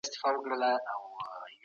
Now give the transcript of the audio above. ایا ملي بڼوال انځر اخلي؟